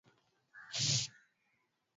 zenye heshima na matakwa mema kwa kila